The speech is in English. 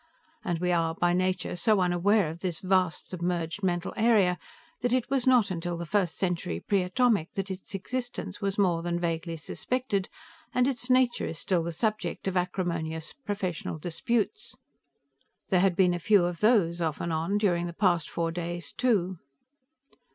And we are by nature so unaware of this vast submerged mental area that it was not until the first century Pre Atomic that its existence was more than vaguely suspected, and its nature is still the subject of acrimonious professional disputes." There had been a few of those, off and on, during the past four days, too.